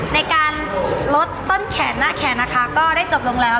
ในการลดต้นแขนหน้าแขนนะคะก็ได้จบลงแล้ว